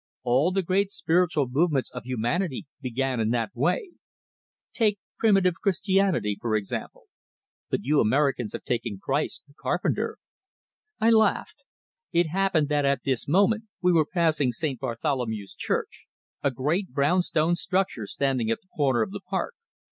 All the great spiritual movements of humanity began in that way; take primitive Christianity, for example. But you Americans have taken Christ, the carpenter " I laughed. It happened that at this moment we were passing St. Bartholomew's Church, a great brown stone structure standing at the corner of the park.